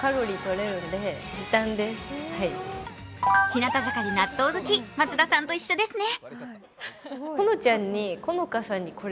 日向坂で納豆好き松田さんと一緒ですね。